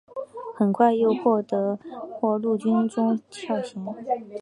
很快又获授陆军中校衔。